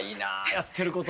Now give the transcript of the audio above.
やってること。